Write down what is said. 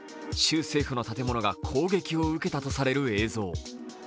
州政府の建物が攻撃を受けたとされる映像。